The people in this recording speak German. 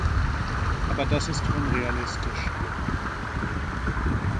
Aber das ist unrealistisch.